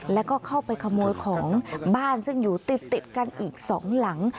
แล้วก็เข้าไปขโมยของบ้านซึ่งอยู่ติดกันอีกสองหลัง